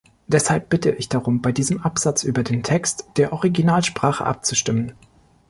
Deshalb bitte ich darum, bei diesem Absatz über den Text der Originalsprache abzustimmen.